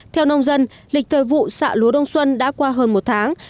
theo nông dân lịch thời vụ xạ lúa đông xuân đã qua hơn một tháng